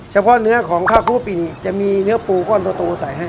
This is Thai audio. เฉพาะเนื้อของข้าวครูปินี่จะมีเนื้อปูป้อนโตโตส่ายให้